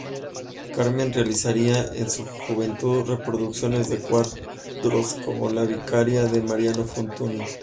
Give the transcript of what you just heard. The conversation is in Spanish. Carmen realizaría en su juventud reproducciones de cuadros como La Vicaria, de Mariano Fortuny.